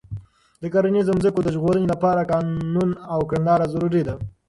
د کرنیزو ځمکو د ژغورنې لپاره قانون او کړنلاره ضروري ده.